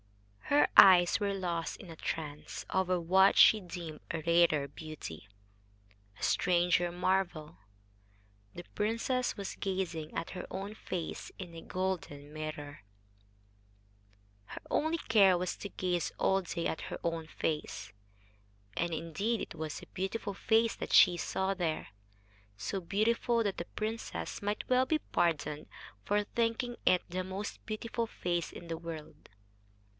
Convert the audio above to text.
Her eyes were lost in a trance over what she deemed a rarer beauty, a stranger marvel. The princess was gazing at her own face in a golden mirror. [Illustration: HER ONLY CARE WAS TO GAZE ALL DAY AT HER OWN FACE] And indeed it was a beautiful face that she saw there, so beautiful that the princess might well be pardoned for thinking it the most beautiful face in the world.